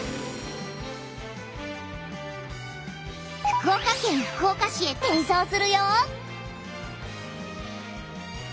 福岡県福岡市へ転送するよ！